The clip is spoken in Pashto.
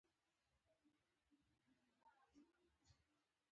راشد خان د افغانستان ویاړ او د نړۍ د کرکټ ځلانده ستوری